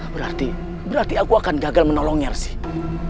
berarti aku akan gagal menolongnya rizie